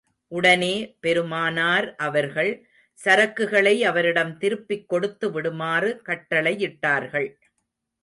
உடனே பெருமானார் அவர்கள், சரக்குகளை அவரிடம் திருப்பிக் கொடுத்து விடுமாறு கட்டளையிட்டார்கள்.